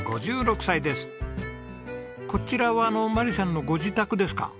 こちらは眞理さんのご自宅ですか？